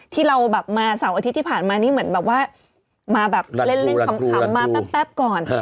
ที่เราแบบมาเสาร์อาทิตย์ที่ผ่านมานี่เหมือนแบบว่ามาแบบเล่นขำมาแป๊บก่อน